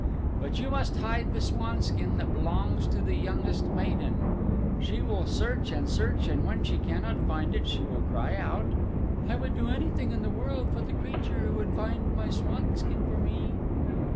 But you must hide the swanskin that belongs to the youngest maiden. She will search and search and when she cannot find it she will cry out, 'I would do anything in the world for the creature who would find my swanskin for me.